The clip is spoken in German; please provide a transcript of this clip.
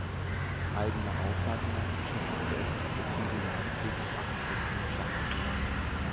Eigener Aussage nach beschäftigte er sich über viele Jahre täglich acht Stunden mit Schach.